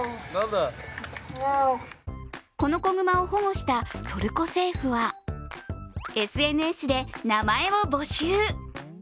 この子熊を保護したトルコ政府は、ＳＮＳで名前を募集。